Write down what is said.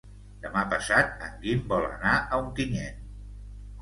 Demà passat en Guim vol anar a Ontinyent.